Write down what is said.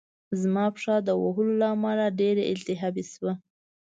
زما پښه د وهلو له امله ډېره التهابي شوه